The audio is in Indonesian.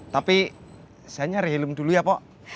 tapi saya nyari helm dulu ya pok